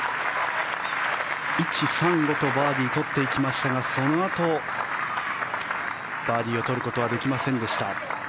１、３、５とバーディー取っていきましたがそのあと、バーディーを取ることはできませんでした。